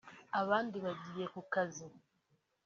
abandi bagiye ku kazi